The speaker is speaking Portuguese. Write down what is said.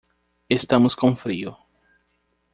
Estamos com frio